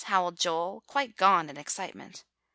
howled Joel, quite gone in excitement.